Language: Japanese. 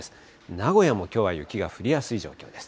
名古屋もきょうは雪が降りやすい状況です。